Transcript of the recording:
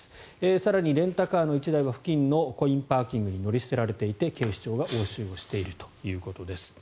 更に、レンタカーの１台は付近のコインパーキングに乗り捨てられていて警視庁が押収をしているということです。